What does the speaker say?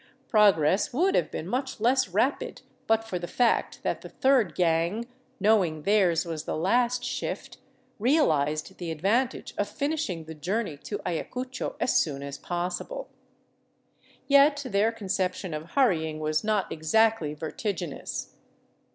Progress would have been much less rapid but for the fact that the third gang, knowing theirs was the last shift, realized the ad vantage of finishing the journey to Ayacucho as soon as possible. Yet their conception of hurrying was not exactly vertigenous.